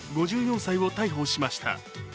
５４歳を逮捕しました。